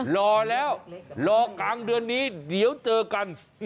รอแล้วรอกลางเดือนนี้เดี๋ยวเจอกัน